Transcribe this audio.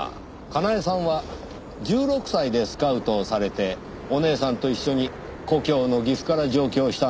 かなえさんは１６歳でスカウトをされてお姉さんと一緒に故郷の岐阜から上京したんですねぇ。